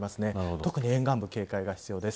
特に沿岸部、警戒が必要です。